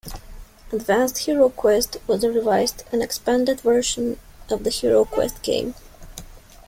"Advanced HeroQuest" was a revised and expanded version of the HeroQuest game.